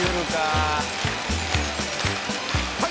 はい！